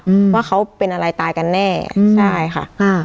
อืมว่าเขาเป็นอะไรตายกันแน่ใช่ค่ะอ่า